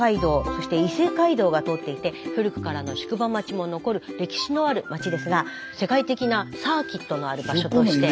そして伊勢街道が通っていて古くからの宿場町も残る歴史のある町ですが世界的なサーキットのある場所として。